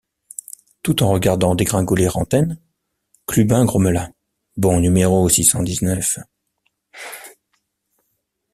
Tout en regardant dégringoler Rantaine, Clubin grommela: — Bon numéro six cent dix-neuf!